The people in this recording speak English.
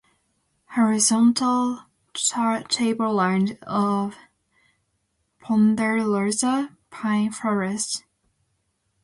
Its hardness supports an approximately horizontal tableland of Ponderosa Pine forest.